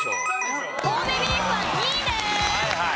神戸ビーフは２位です。